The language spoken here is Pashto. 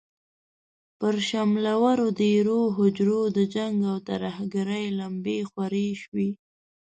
پر شملورو دېرو، هوجرو د جنګ او ترهګرۍ لمبې خورې شوې.